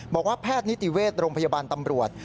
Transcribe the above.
บอกว่าแพทย์นิติเวทย์โรงพยาบาลตำรวจ